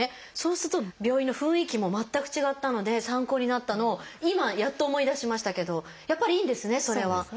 そうすると病院の雰囲気も全く違ったので参考になったのを今やっと思い出しましたけどやっぱりいいんですねそれは。